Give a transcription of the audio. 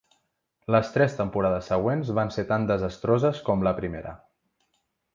Les tres temporades següents van ser tan desastroses com la primera.